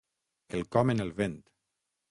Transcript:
Quelcom en el vent